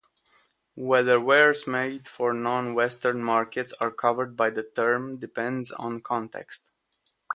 Whether wares made for non-Western markets are covered by the term depends on context.